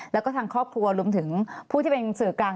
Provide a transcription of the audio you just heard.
แล้วก็ทางครอบครัวรวมถึงผู้ที่เป็นสื่อกลาง